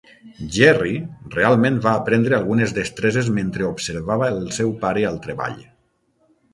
Gerry realment va aprendre algunes destreses mentre observava el seu pare al treball.